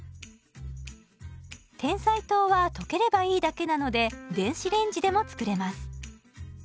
てんさい糖は溶ければいいだけなので電子レンジでも作れます。